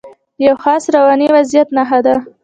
د یوه خاص رواني وضعیت نښه ده.